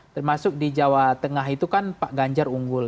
termasuk di jawa tengah itu kan pak ganjar unggul